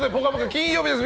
金曜日です。